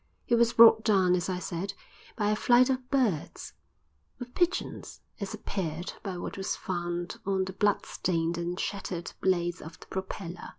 He was brought down, as I said, by a flight of birds; of pigeons, as appeared by what was found on the bloodstained and shattered blades of the propeller.